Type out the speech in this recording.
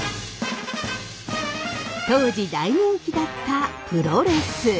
当時大人気だったプロレス。